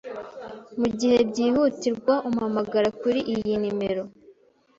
Mugihe byihutirwa, umpamagara kuri iyi nimero.